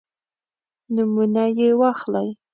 نومونه یې واخلئ.